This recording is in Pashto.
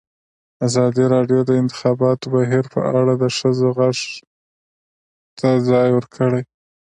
ازادي راډیو د د انتخاباتو بهیر په اړه د ښځو غږ ته ځای ورکړی.